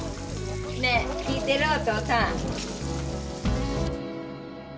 ねえ聞いてるお父さん？